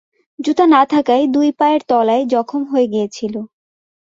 জুতা না থাকায় দুই পায়ের তলায় যখম হয়ে গিয়েছিল।